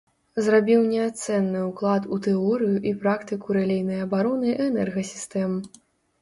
Зрабіў неацэнны ўклад у тэорыю і практыку рэлейнай абароны энергасістэм.